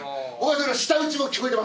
舌打ちも聞こえてますからね。